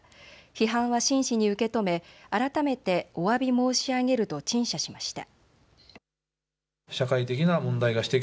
批判は真摯に受け止め改めておわび申し上げると陳謝しました。